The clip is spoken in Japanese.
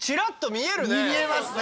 見えますね！